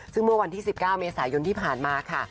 ซึ่งเมื่อวันที่๑๙เมษายนที่ผ่านมาค่ะ